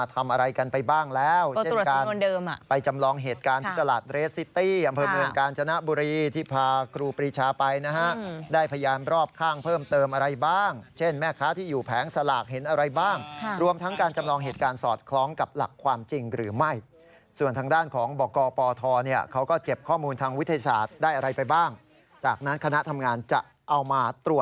ตลาดเรสซิตี้อำเภอเมืองการชนะบุรีที่พากรูปรีชาไปนะฮะได้พยายามรอบข้างเพิ่มเติมอะไรบ้างเช่นแม่ค้าที่อยู่แผงสลากเห็นอะไรบ้างค่ะรวมทั้งการจำลองเหตุการณ์สอดคล้องกับหลักความจริงหรือไม่ส่วนทางด้านของบกปทเนี่ยเขาก็เก็บข้อมูลทางวิทยาศาสตร์ได้อะไรไปบ้างจากนั้นคณะทำงานจะเอามาตร